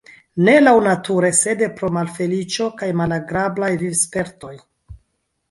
Ne laŭnature, sed pro malfeliĉo kaj malagrablaj vivspertoj.